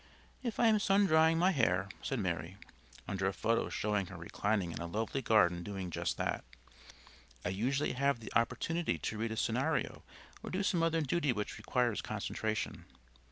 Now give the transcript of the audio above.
"If I am sun drying my hair," said Mary (under a photo showing her reclining in a lovely garden doing just that), "I usually have the opportunity to read a scenario or do some other duty which requires concentration."